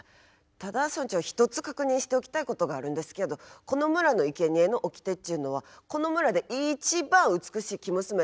ただ村長一つ確認しておきたいことがあるんですけどこの村のいけにえのおきてっちゅうのはこの村で一番美しい生娘であるっちゅうことですよね？